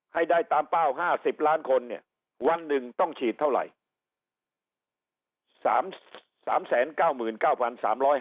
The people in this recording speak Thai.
ให้ได้ตามเป้า๕๐ล้านคนเนี่ยวันหนึ่งต้องฉีดเท่าไหร่